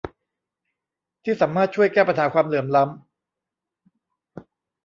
ที่สามารถช่วยแก้ปัญหาความเหลื่อมล้ำ